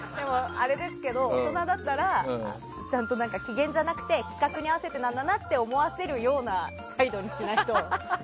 でも、大人だったら機嫌じゃなくて企画に合わせてなんだなって思わせるような態度にしないと。